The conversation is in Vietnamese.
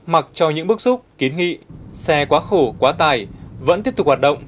mặc cho những bức xúc kiến nghị xe quá khổ quá tải vẫn tiếp tục hoạt động